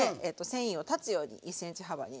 繊維を断つように２ｃｍ幅に。